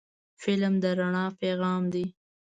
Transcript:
فلم د رڼا پیغام دی